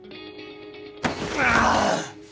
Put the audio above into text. ああ！